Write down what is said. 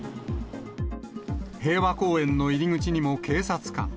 平和公園の入り口にも警察官。